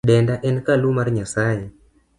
Denda en kalu mar nyasae.